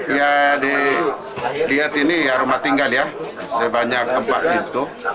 memang berada di jalan sempit